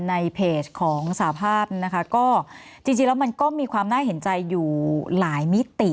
ในเพจของสาภาพนะคะก็จริงจริงแล้วมันก็มีความน่าเห็นใจอยู่หลายมิติ